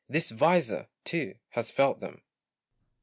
this visor, too, has felt them.